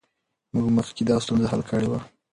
موږ مخکې دا ستونزه حل کړې وه.